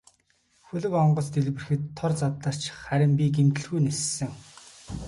Хөлөг онгоц дэлбэрэхэд тор задарч харин би гэмтэлгүй ниссэн.